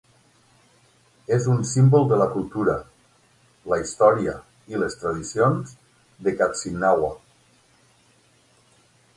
És un símbol de la cultura, la història i les tradicions de "Katsinawa".